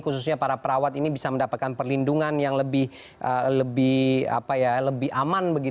khususnya para perawat ini bisa mendapatkan perlindungan yang lebih aman